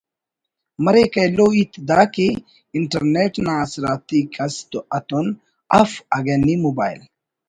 مریک ایلو ہیت دا کہ انٹر نیٹ نا آسراتی کس اتون اف اگہ نی موبائل